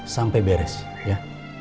sampe beres ya